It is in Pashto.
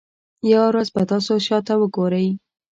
یوه ورځ به تاسو شاته وګورئ.